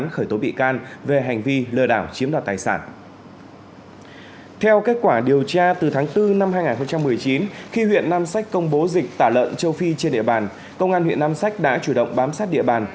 khi huyện nam sách công bố dịch tả lợn châu phi trên địa bàn công an huyện nam sách đã chủ động bám sát địa bàn